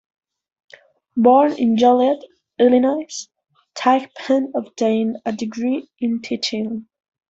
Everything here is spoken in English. Born in Joliet, Illinois, Thigpen obtained a degree in teaching.